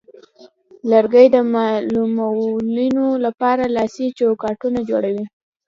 لرګی د معلولینو لپاره لاسي چوکاټونه جوړوي.